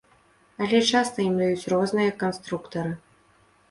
Але часта ім даюць розныя канструктары.